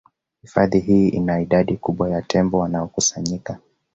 Hifadhi hii ina idadi kubwa ya tembo wanaokusanyika